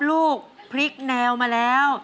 ลูกพลิกแนวมาแล้ว